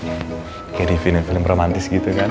kayak di film film romantis gitu kan